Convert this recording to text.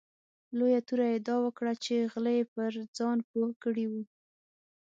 لویه توره یې دا وکړه چې غله یې پر ځان پوه کړي وو.